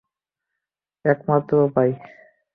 এই একমাত্র উপায়।